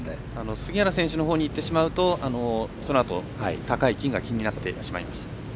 杉原選手のほうにいってしまうと高い木が気になってしまいます。